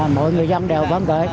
mọi người dân đều văn cưỡi